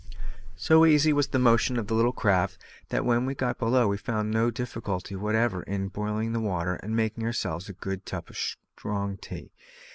So easy was the motion of the little craft, that when we got below we found no difficulty whatever in boiling the water, and making ourselves a cup of good strong tea.